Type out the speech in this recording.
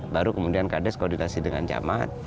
baru kemudian kdes koordinasi dengan jamat